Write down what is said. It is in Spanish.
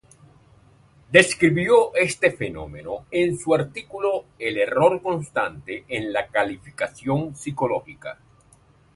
Describió este fenómeno en su artículo "El error constante en la calificación psicológica".